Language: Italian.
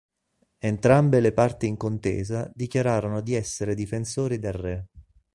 Entrambe le parti in contesa dichiararono di essere difensori del Re.